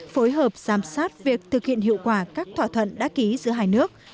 phối hợp giám sát việc thực hiện hiệu quả các thỏa thuận đã ký giữa hai nước